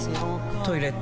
トイレ